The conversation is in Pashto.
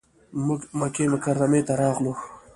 موږ مکې مکرمې ته راغلو.